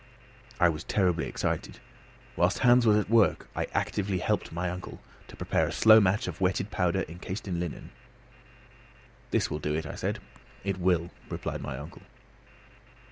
I was terribly excited. Whilst Hans was at work I was actively helping my uncle to prepare a slow match of wetted powder encased in linen. "This will do it," I said. "It will," replied my uncle.